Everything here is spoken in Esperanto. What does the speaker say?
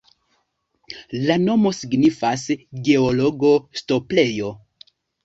La nomo signifas: Georgo-stoplejo.